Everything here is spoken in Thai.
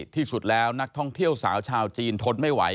ที่สุดแล้วนักท่องเที่ยวสาวชาวจีนทนไม่ไหว